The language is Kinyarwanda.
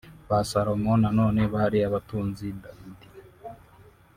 ba salomo na none bari abatunzi Dawidi